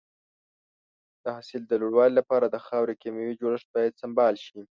د حاصل د لوړوالي لپاره د خاورې کيمیاوي جوړښت باید سمبال شي.